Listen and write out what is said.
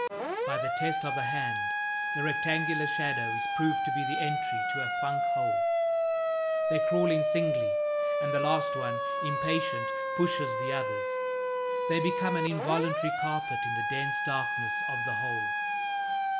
By the test of a hand, the rectangular shadow is proved to be the entry to a funk hole. They crawl in singly; and the last one, impatient, pushes the others; they become an involuntary carpet in the dense darkness of the hole.